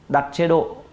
đặt chế độ